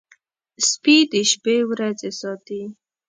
سپي د شپې ورځي ساتي.